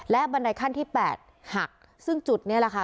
และบันไดขั้นที่๘หักซึ่งจุดนี้แหละค่ะ